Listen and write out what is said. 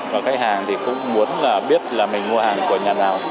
và khách hàng thì cũng muốn là biết là mình mua hàng của nhà nào